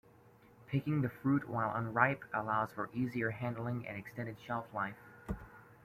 Picking the fruit while unripe allows for easier handling and extended shelf-life.